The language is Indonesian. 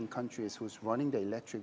yang menggunakan bus elektrik